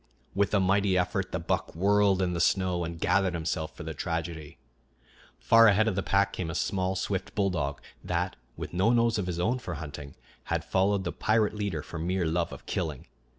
With a mighty effort the buck whirled in the snow and gathered himself for the tragedy. Far ahead of the pack came a small, swift bulldog that, with no nose of his own for hunting, had followed the pirate leader for mere love of killing.